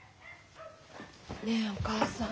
ねえお母さん。